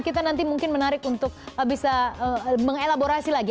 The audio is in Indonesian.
kita nanti mungkin menarik untuk bisa mengelaborasi lagi